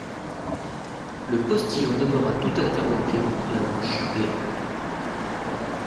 Le postillon demeura tout interloqué, la bouche béante.